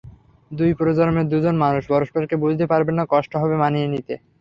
দুই প্রজন্মের দুজন মানুষ পরস্পরকে বুঝতে পারবেন না, কষ্ট হবে মানিয়ে নিতে।